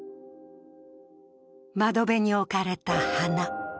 窓辺に置かれた花。